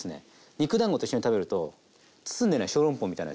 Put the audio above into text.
肉だんごと一緒に食べると包んでないショーロンポーみたいな味します。